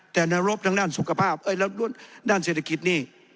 แต่นรบทางด้านสุขภาพแล้วด้านเศรษฐกิจนี่